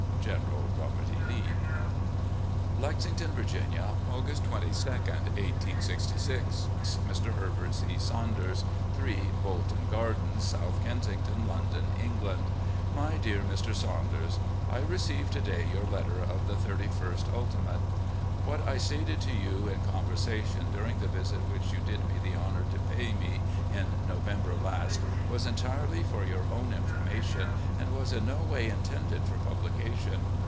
"General Robert E. Lee." "Lexington, Virginia, August 22, 1866. " Mr. Herbert C. Saunders, "3 Bolton Gardens, " South Kensington, London, England. "My Dear Mr. Samtders: I received to day your letter of the 31st ult. What I stated to you in conversa tion, during the visit which you did me the honour to pay me in November last, was entirely for your own in formation, and was in no way intended for publication.